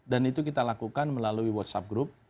dan itu kita lakukan melalui whatsapp group